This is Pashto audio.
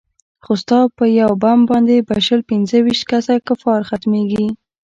خو ستا په يو بم باندې به شل پينځه ويشت کسه کفار ختميګي.